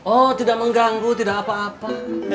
oh tidak mengganggu tidak apa apa